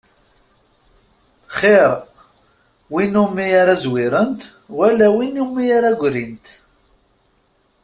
Xir win umi ara zwirent, wala win umi ara ggrint.